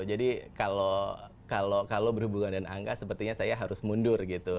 jadi kalau berhubungan dengan angka sepertinya saya harus mundur gitu